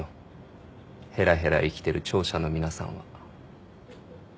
ヘラヘラ生きてる聴者の皆さんは。